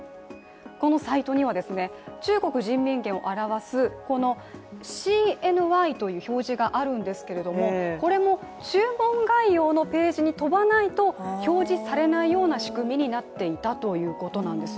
このサイトには、中国人民元を表すこの、ＣＮＹという表示があるんですけどもこれも注文概要のページに飛ばないと表示されないような仕組みになっていたということなんですよ。